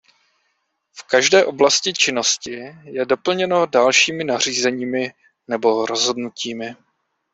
V každé oblasti činnosti je doplněno dalšími nařízeními nebo rozhodnutími.